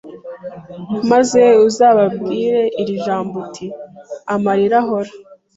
Maze uzababwiea iri jambo uti Amarira ahora